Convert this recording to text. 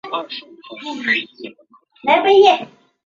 它的性能介于被动悬架与主动悬架之间。